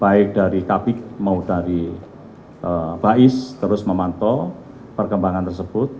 baik dari kabik mau dari bais terus memantau perkembangan tersebut